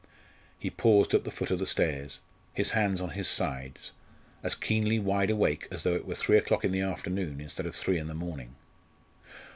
He paused at the foot of the stairs, his hands on his sides, as keenly wide awake as though it were three o'clock in the afternoon instead of three in the morning.